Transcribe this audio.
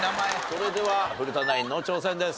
それでは古田ナインの挑戦です。